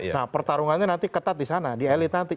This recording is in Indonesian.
nah pertarungannya nanti ketat disana di elit nanti